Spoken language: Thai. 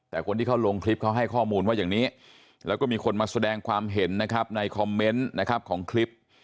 แต่คนที่เขาลงคลิปเขาให้ข้อมูลว่าอย่างนี้แล้วก็มีคนมาแสดงความเห็นนะครับในคอมเมนต์นะครับของคลิป